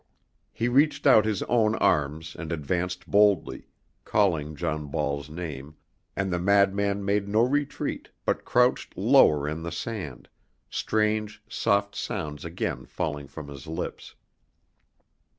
He reached out his own arms and advanced boldly, calling John Ball's name, and the madman made no retreat but crouched lower in the sand, strange, soft sounds again falling from his lips.